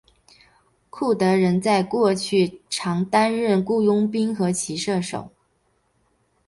库德人在过去常担任雇佣兵和骑射手。